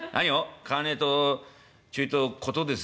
「買わねえとちょいとことですぜ旦那」。